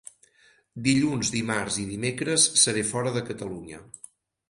Dilluns, dimarts i dimecres seré fora de Catalunya.